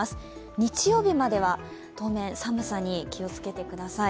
日曜日までは当面、寒さに気をつけてください。